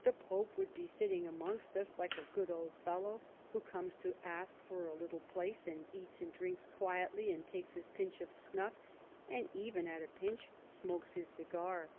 The Pope would be sitting amongst us like a good old fellow who comes to ask for a little place, and eats and drinks quietly, and takes his pinch of snuff, and even, at a pinch, smokes his cigar."